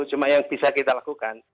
cuma yang bisa kita lakukan